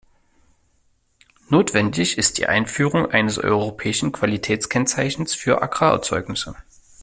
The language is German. Notwendig ist die Einführung eines europäischen Qualitätskennzeichens für Agrarerzeugnisse.